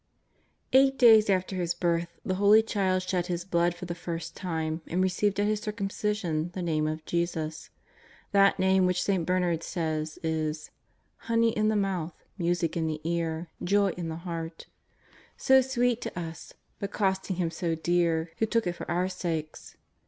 Eight days after His birth the Holy Child shed His Blood for the first time, and received at His Circum cision the Name of JESUS, that N^ame which St. Ber nard says is " honey in the mouth, music in the ear, joy in the heart ;" so sweet to us, but costing Him so dear who took it for our sakes.